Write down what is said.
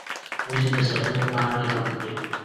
وزې د سبو پاڼې هم خوري